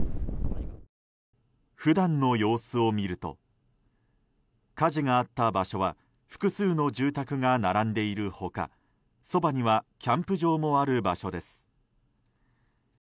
普段の様子を見ると火事があった場所は複数の住宅が並んでいる他そばにはキャンプ場もある場所です。